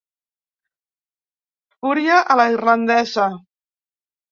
Fúria a la irlandesa.